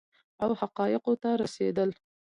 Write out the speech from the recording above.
او حقایقو ته رسیدل